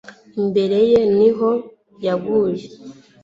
imbere ye ni ho yaguye